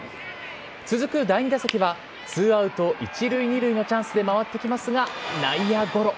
続く第２打席は、ツーアウト１塁２塁のチャンスで回ってきますが、内野ゴロ。